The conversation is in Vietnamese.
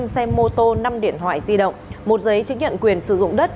năm xe mô tô năm điện thoại di động một giấy chứng nhận quyền sử dụng đất